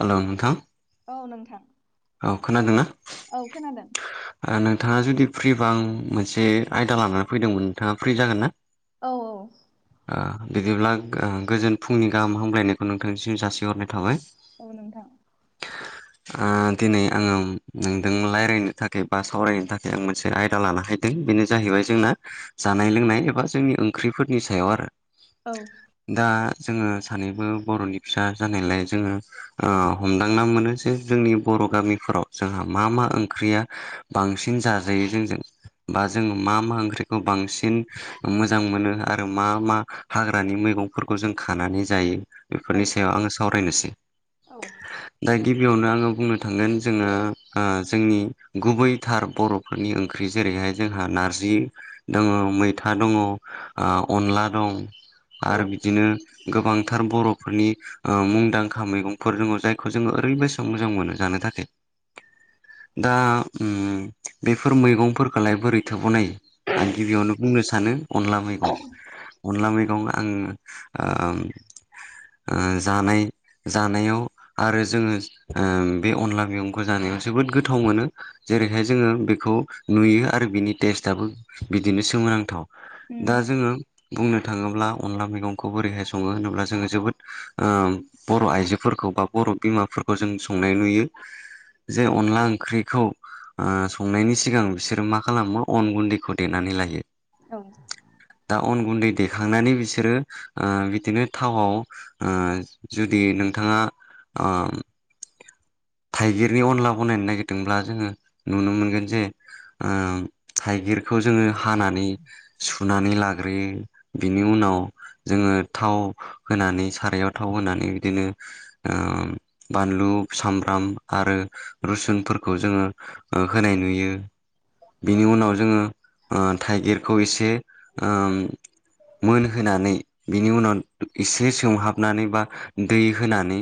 हेल' नोंथां औ नोंथां औ खोनादों ना औ खोनादों नोंथाङा जुदि फ्रिबा आं मोनसे आयदा लानानै फैदोंमोन नोंथाङा फ्रि जागोन ना औ औ बिदिब्ला गोजोन फुंनि गाहाम हामगलायनायखौ नोंथांनिसिम जासिहरनाय थाबाय औ नोंथां दिनै आङो नोंदों रायज्लायनो थाखाय बा सावरायनो थाखाय आं मोनसे आयदा लानो हैदों बेनो जाहैबाय जोंना जानाय लोंनाय एबा जोंनि ओंख्रिफोरनि सायाव आरो औ दा जोङो सानैबो बर'नि फिसा जानायलाय जोङो हमदांना मोनो जे जोंनि बर' गामिफोराव जोंहा मा मा ओंख्रिया बांसिन जाजायो जोंजों बा जोंङो मा मा ओंख्रिखौ बांसिन मोजां मोनो आरो मा मा हाग्रानि मैगंफोरखौ जों खानानै जायो औ बेफोरनि सायाव आङो सावरायनोसै औ दा गिबियावनो आङो बुंनो थांगोन जोङो जोंनि गुबै थार बर'फोरनि ओंख्रि जेरैहाय जोंहा नारजि दङ मैथा दङ अनला दं औ आरो बिदिनो गोबांथार बर'फोरनि मुंदांखा मैगंफोर दङ जायखौ जोङो ओरैबायस मोजां मोनो जानो थाखाय दा बेफोर मैगंफोरखौलाय बोरैथो बनायो आं गिबियावनो बुंनो सानो अनला मैगं अनला मैगं आङो जानाय जानायाव आरो जोङो बे अनला मैगंखौ जानायाव जोबोद गोथाव मोनो जेरैहाय जोङो बेखौ नुयो आरो बिनि टेस्टआबो बिदिनो सोमोनांथाव दा उम जोङो बुंनो थाङोब्ला अनला मैगंखौ बोरैहाय सङो होनोब्ला जोङो जोबोद बर' आइजोफोरखौ बा बर' बिमाफोरखौ जों संनाय नुयो जे अनला ओंख्रिखौ संनायनि सिगां बिसोरो मा खालामो अन गुन्दैखौ देनानै लायो औ दा अन गुन्दै देखांनानै बिसोरो बिदिनो थावआव ओ जुदि नोंथाङा ओ थाइगिरनि अनला बनायनो नागिरदोंब्ला जोङो नुनो मोनगोन जे थाइगिर खौ जोङो हानानै सुनानै लाग्रो बिनि उनाव जोङो थाव होनानै सारायाव थाव होनानै बिदिनो आ बानलु साम फ्राम आरो रुसुनफोरखौ जोङो होनाय नुयो बिनि उनाव जोङो ओ थाइगिरखौ एसे ओ मोनहोनानै बिनि उनाव एसे सोमहाबनानै बा दै होनानै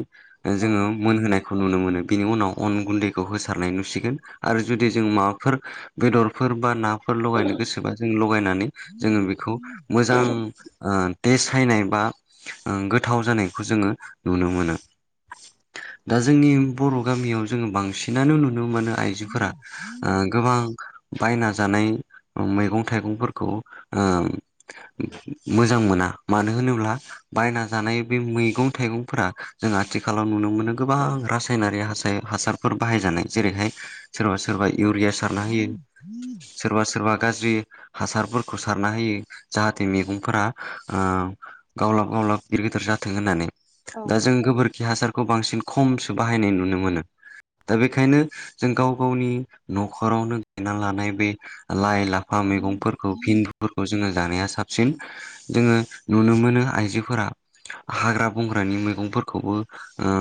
औ जोङो मोनहोनायखौ नुनो मोनो बिनि उनाव अन गुन्दैखौ होसारनाय नुसिगोन आरो जुदि जों माबाफोर बेदरफोर बा नाफोर लगायनो गोसोबा जों लगायनानै जोङो बेखौ मोजां बे सायनाय बा गोथाव जानायखौ जोङो नुनो मोनो दा जोंनि बर' गामियाव जोङो बांसिनानो नुनो मोनो आइजोफोरा ओ गोबां बायना जानाय मैगं थाइगंफोरखौ ओ मोजां मोना मानो होनोब्ला बायना जानाय बे मैगं थाइगंफोरा जों आथिखालाव नुनो मोनो गोबां रासाय रायनारि हास हासारफोर बाहायजानाय जेरैहाय सोरबा सोरबा इउरिया सारना होयो सोरबा सोरबा गाज्रि हासारफोरखौ सारना होयो जाहाथे मैगंफोरा ओ गावलाब गावलाब गिदिर गिदिर जाथों होननानै औ दा जों गोबोरखि हासारखौ बांसिन खम बाहायनाय नुनो मोनो दा बेखायनो जों गाव गावनि न'खरावनो गायना लानाय बे लाइ लाफा मैगंफोरखौ भिन्दुफोरखौ जोङो जानाया साबसिन जोङो नुनो मोनो आइजोफोरा हाग्रा बंग्रानि मैगंफोरखौबो ओ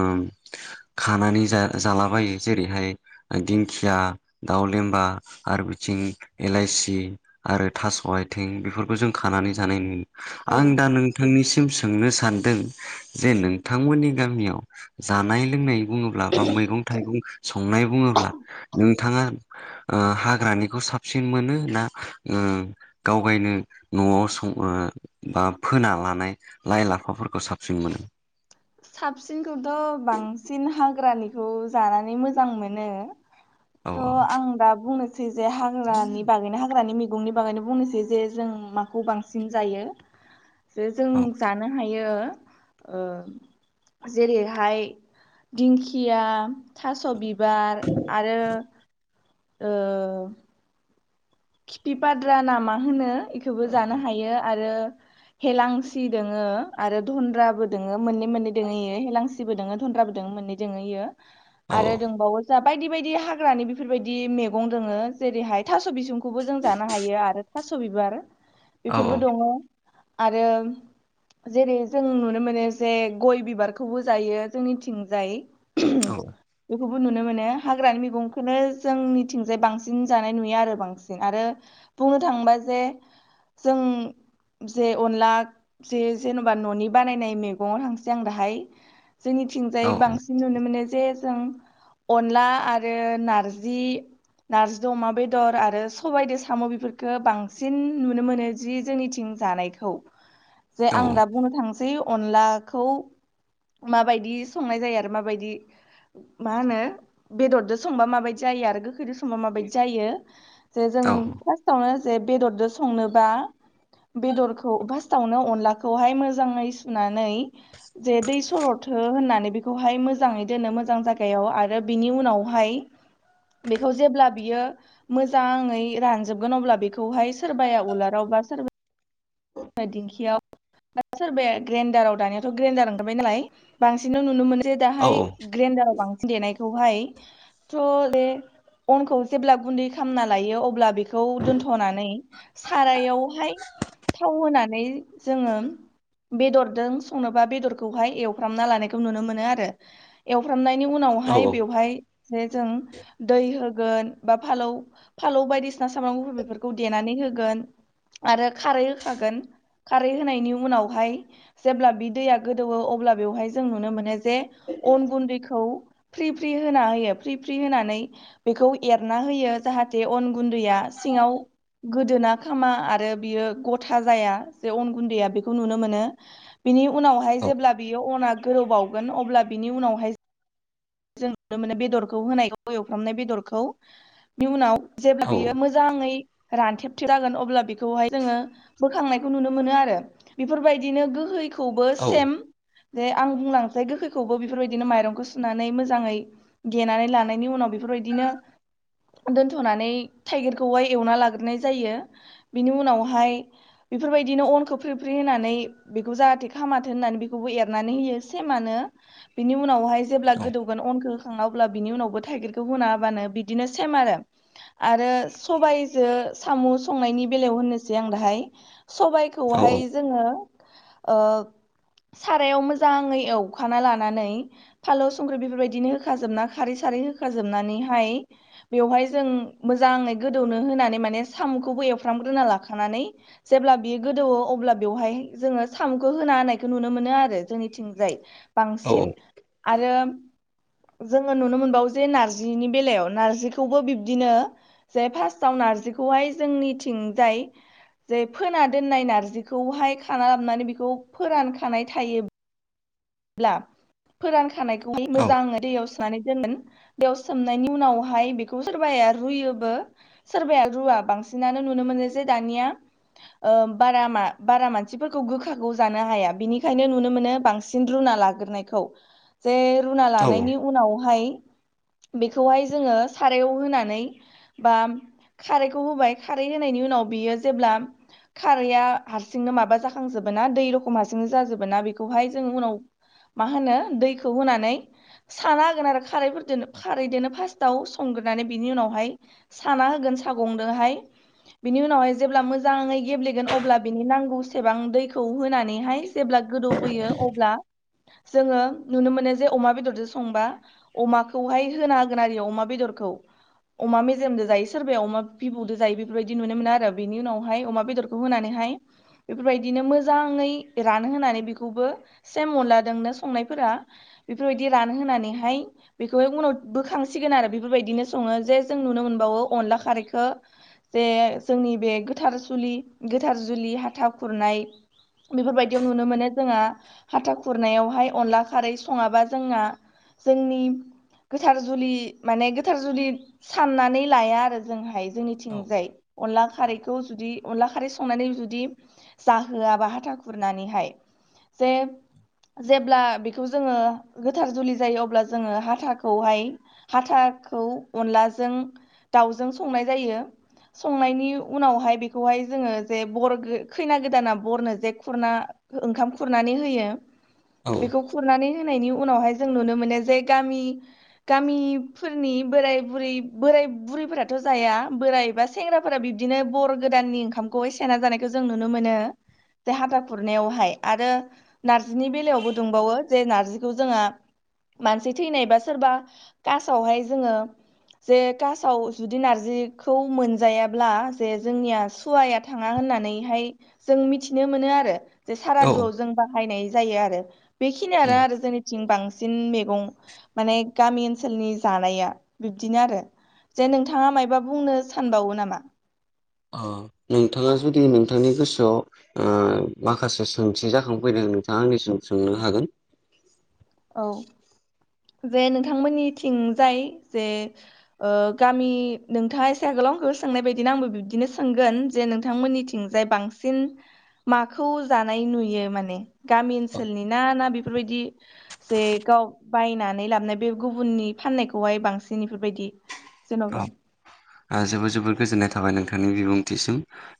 खानानै जा जालाबायो जेरैहाय दिंखिया दाव लेमबा आरो बिथिं एलाइसि आरो थास' आथिं बेफोरखौ जों खानानै जानाय नु औ आं दा नों नोंनिसिम सोंनो सानदों जे नोंथांमोननि गामियाव जानाय लोंनाय बुङोब्ला बा मैगं थाइगं संनाय बुङोब्ला नोंथाङा ओ हाग्रानिखौ साबसिन मोनो ना ओ गावगायनो न'आव सं ओ बा फोना लानाय लाइ लाफाफोरखौ साबसिन मोनो साबसिनखौथ' बांसिन हाग्रानिखौ जानानै मोजां मोनो औ थ' आं दा बुंनोसै बुंसै जे हाग्रानि बागैनो हाग्रानि मैगंनि बागैनो बुंनोसै जे जों माखौ बांसिन जायो [inaudible] जे जों औ जानो हायो ओ जेरैहाय दिंखिया थास' बिबार आरो ओ खिफि फाद्रा नामा होनो बेखौबो औ जानो हायो आरो हेलांसि दोङो आरो धनन्द्राबो दङो मोननै मोननै दोङोयो हेलांसिबो दोङो धन्राबो दङ मोननै जोङो इयो औ आरो दंबावो जा बायदि बायदि हाग्रानि बेफोरबायदि मैगं दङो जेरैहाय थास' बिस खौबो जों जानो हायो आरो थास' बिबार औ बेफोरबो औ दङ आरो जेरै जों नुनो मोनो जे गय बिबारखौबो जायो जोंनिथिंजाय औ बेखौबो नुनो मोनो हाग्रानि मैगंखौनो जोंनिथिंजाय बांसिन जानाय नुयो आरो बांसिन आरो बुंनो थाङोबा जे जों जे अनदला जे जेन'बा न'नि बानायनाय मैगङाव थांसै आं दाहाय जोंनिथिंजायै बांसिन नुनो मोनो जे जों अनला आरो नारजि नारजि अमा बेदर आरो सबायजों साम' बेफोरफोरखौ बांसिन नुनो मोनो जि जोंनिथिं जानायखौ जे आं दा बुंनो थांसै अनलाखौ माबायदि संनाय जायो आरो माबायदि मा होनो बेदरजों संबा माबायदि जायो आरो गो खैदो समाव माबायदि जायो जे जों फार्स्टावनो जे बेदरजों संनोबा बेदरखौ फार्स्टावनो अनलाखौहाय मोजाङै सुनानै जे दै सरथो होननानै बेखौहाय मोजाङै दोनो मोजां जायगायाव आरो बिनि उनावहाय बेखौ जेब्ला बियो मोजाङै रानजोबगोन अब्ला बेखौहाय सोरबाया उलाराव बा सोरबा दिंखियाव दा सोर बे ग्रेडाराव दानायाथ' ग्रेन्डार ओखारबाय नालाय बांसिन नुनो मोन जे दाहाय ग्रेन्दडाराव बांसिन देनायखौहाय थ' बे अनखौ जेब्ला गुन्दै खालामना लायो अब्ला बे बेखौ दोनथ'नानै सारायावहाय थाव होनानै जोङो बेदरजों संनोबा बेदरखौहाय एवफ्रामना लानायखौ नुनो मोनो आरो एवफ्रामनायनि उनावहाय बेवहाय जे जों दै होगोन बा फालौ फालौ बायदिसिना सामब्राम गुफुर बेफोरखौ देनानै होगोन आरो खारै खागोन खारै होनायनि उनावहाय जेब्ला बि दैया गोदौवो अब्ला बेवहाय जों नुनो मोनो जे अन गुन्दैखौ फ्रि फ्रि होना होयो फ्रि फ्रि होनानै बेखौ एरना होयो जाहाथे अन गुन्दैया सिङाव गोदोना खामा आरो बियो गथ थाजाया बेयाव अन गुनदैआ बेखौ नुनो मोनो बिनि उनावहाय जे बि गोोरौ बावगोन अब्ला बिनि उनावहाय जों नुनो मोनो बेदरखौ होनाय एवफ्रामनाय बेदरखौ बेनि उनाव जेब्ला बियो मोजां मोजाङै रानथेबथेब जागोन अब्ला बेखौहाय जोङो बोखांनायखौ नुनो मोनो आरो बेफोरबायदिनो गोहै आं बुंलांनोसै गोैखौबो बेफोरबायदिनो माइरंखौ सु मोजाङै गेनानै लानायनि उनाव बेफोरबायदिनो दोनथ'नानै थाइगिरखौहाय एवना लाग्रोनाय जायो बिनि उनावहाय बेफोरबायदिनो अन खोबफे फे होनानै बेखौ जाहाथे खामाथों होननानै बेखौबो एरनानै होयो सेमानो बिनि उनावहाय जेब्ला गोदौगोन अनखौ होखांना अब्ला बिनि उनावबो थाइगिरखौ होनाबानो बिदिनो सेम आरो आरो सबायजों साम' संनायनि बेलायाव होननोसै आं दाहाय सबाइखौहाय जोङो सारायाव मोजाङै एवखाना लानानै फाल संख्रि बेफोरबायदिनो होखाजोबना खारै सारै होखाजोबनानैहाय बेवहाय जों मोजाङै गोदौनो होनानै माने साम'खौबो एवफ्रामग्रोना लाखानानै जेब्ला बियो गोदौवो अब्ला बेवहाय जोङो साम'खौ होना होनायखौ नुनो मोनो आरो जोंनिथिंजाय बांसिन आरो जोङो नुनो मोनबावो जे नार्जिनि बेलायाव नारजिखौबो बिब्दिनो जे फार्स्टआव नारजिखौहाय जोंनिथिंजाय जे फोना दोननाय नारजिखौहाय खाना लाबोनानै बेखौ फोरानखानाय थायो फोरानखानायखौ मोजाङै दै सोमनानै दोनोन बेयाव सोमनायनि उनावहाय बेखौ सोरबाया रुयोबो सोरबाया रुवआ बांसिनानो नुनो मोनो जे दानिया ओ बारा मा बारा मानसिफोरखौ गोखाखौ जानो हाया बिनिखायनो नुनो मोनो बांस सिन रुना लाग्रोनायखौ जे रुना लानायनि उनावहाय बिखौहाय जोङो सारायाव होनानै बा खारैखौ होबाय खारै होनायनि उनाव बियो जेब्ला खारैया हारसिंनो माबा जाखांजोबो ना दै रखम हारसिंनो जाजोबो ना बेखौहाय जों उनाव मा होनो दैखौ होनानै साना होगोन आरो खारैफोरदोनो खारैदोनो फार्स्टआव संग्रोनानै। बिनि उनावहाय साना होगोन सागंदोंहाय बिनि उनावहाय जेब्ला मोजाङै गेब्लेगोन अब्ला बिनि नांगौ सेबां दैखौ होनानै हाय जेब्ला गोदौबोयो अब्ला जोङो नुनो मोनो जे अमा बेदरदो संबा अमाखौहाय होना हागोन आरो इ अमा बेदरखौ। अमा मेजेमजों जायो सोरबाया अमा बिबुदो जायो बेफोरबायदि नुनो मोनो आरो। बिनि उनावहाय अमा बेदर खौ होनानैहाय बेफोरबायदिनो मोजाङै रान होनोनानै बिखौबो सेम अनलादोंनो संनायफोरा बेफोरबायदि रानहोनानैहाय बिखौहाय उनाव बोखांसिगोन आरो बिफोरबायदिनो सङो जे जों नुनो मोनबावो अनला खारैखो जे जोंनि बे गोथार जुलि गोथार जुलि हाथा खुरनाय बिफोरबायदियाव नुनो मोनो जोंहा हाथा खुरनायावहाय अनला खारै सङाबा जोंना जोंनि गोथार जुलि माने गोथार जुलि साननानै लाया आरो जोंहाय जोंनि थिंजाय अनला खारैखौ जुदि अनला खारै संनानै जुदि जाहोआबा हाथा खुरनानैहाय जे जेब्ला बेखौ जोङो गोथार जुलि जायो अब्ला जोङो हाथाखौहाय हाथाखौ अनलाजों दाउजों संनाय जायो। संनायनि उनावहाय बेखौहाय जोङो जे बर गो खैना गोदाना बरनो जे खुरना ओंखाम खुरनानै होयो खौ खुरनानै होनायनि उनावहाय जों नुनो मोनो जे गामि गामिफोरनि बोराय बुरै बोराय बुरैफोराथ' जाया बोराइ बा सेंग्राफोरा बिब्दिनो बर गोदाननि ओंखामखौहाय सेना जानायखौ जों नुनो मोनो। जा हाथा खुरनायावहाय आरो नार्जिनि बेलायावबो दुंबावो जे नारजिखौ जोंहा मानसि थैनायबा सोरबा कासावहाय जोङो जे कासाव जुदि नारजिखौ मोनजायाब्ला जे जोंनिया सुवाया थाङा होननानैहाय जों मिथिनो मोनो आरो। जे औ औ सारादुआव जों बाहायनाय जायो आरो बेखिनियानो आरो जोंनि थिं बांसिन मेगं माने गामि ओनसोलनि जानाया बिब्दिनो आरो। जे नोंथाङा मायबा बुंनो सानबावो नामा? अ नोंथाङा जुदि नोंथांनि गोसोआव ओ माखासे सोंथि जाखांफैदों नोंथाङा आंनिसिम सोंनो हागोन। औ जे नोंथांमोननि थिंजाय जे ओ गामि नोंथाङा एसे आगोलावखौ सोंनाय बायदिनो आंबो बिब्दिनो सोंगोन जे नोंथां मोननिथिं जाय बांसिन माखौ जानाय नुयो माने? गामि ओनसोलनि ना ना बेफोरबायदि जे गाव बायनानै लाबोनाय बे गुबुननि फाननायखौहाय बांसिन बेफोरबायदि अ जेन'बा ओ जोबोर जोबोर गोजोननाय थाबाय नोंथांनि बिबुंथिसिम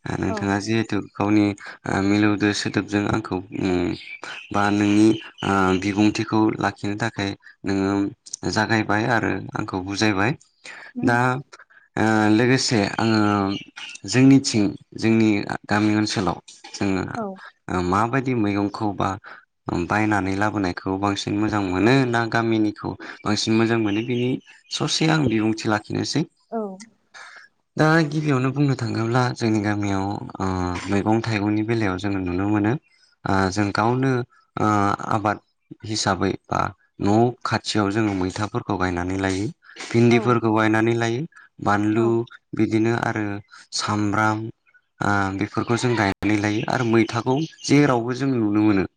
ओ औ नोंथाङा जिहेथु गावनि ओ मिलौदो सोदोबजों आंखौ मुं बा नोंनि आ बिबुंथिखौ लाखिनो थाखाय नोङो जागायबाय आरो आंखौ बुजायबाय दा आ लोगोसे आङो जोंनिथिं जोंनि गामि ओनसोलाव जोङा औ आ माबायदि मैगंखौ बा बायनानै लाबोनायखौ बांसिन मोजां मोनो ना गामिनिखौ? बांसिन मोजां मोनो बिनि ससे आं बिबुंथि लाखिनोसै। औ दा गिबियावनो बुंनो थाङोब्ला जोंनि गामियाव ओ मैगं थाइगंनि बेलायाव जोङो नुनो मोनो ओ जों गावनो ओ आबाद हिसाबै बा न' खाथियाव जोङो मैथाफोरखौ गायनानै लायो। औ भिन्दिफोरखौ बायनानै लायो औ बानलु बिदिनो आरो सामब्राम बेफोरखौ जों गायनानै लायो आरो मैथाखौ जेरावबो जों नुनो मोनो।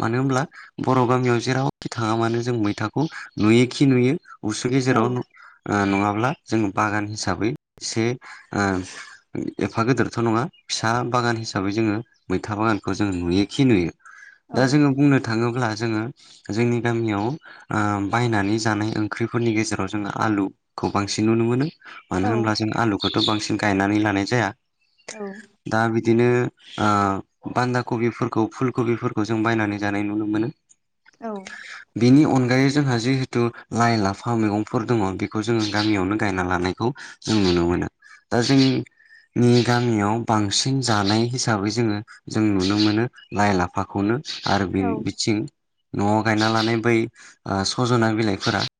मानो होनोमब्ला बर' गामियाव जेरावखि थाङा मानो जों मैथाखौ नुयोखि नुयो। उसु गेजेराव नङाब्ला ओ जोंङ बागान हिसाबै एसे ओ एफा गिदिरथ' नङा फिसा बागान हिसाबै जोङो मैथा बागानखौ जों नुयोखि नुयो। औ दा जोङो बुंनो थाङोब्ला जोङो जोंनि गामियाव ओ बायनानै जानाय ओंख्रिफोरनि गेजेराव जोङो आलु खौ बांसिन नुनो मोनो मानो औ होनब्ला जों आलुखौथ' बांसिन गायनानै लानाय जाया। औ दा बिदिनो ओ बान्दा कबिफोरखौ फुल कबिफोरखौ जों बायनानै जानाय नुनो मोनो। औ बिनि अनगायै जोंहा जिहेथु लाइ लाफा मैगंफोर दङ बे खौ जोङो गामियावनो गायना लानायखौ जों नुनो मोनो दा जों नि गामियाव बांसिन जानाय हिसाबै जोङो जों नुनो मोनो लाइ लाफाखौनो। आरो बि औ बिथिं न'आव गायना लानाय बै ओ सजना बिलाइफोरा।